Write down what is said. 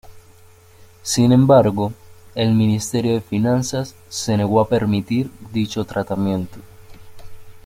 Sin embargo, el Ministerio de Finanzas se negó a permitir dicho tratamiento.